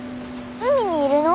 海にいるの？